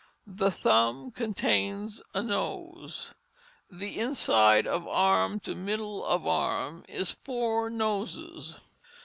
"The Thumb contains a Nose. "The Inside of Arm to Middle of Arm is Four Noses."